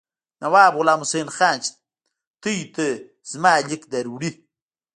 نواب غلام حسین خان چې تاسو ته زما لیک دروړي.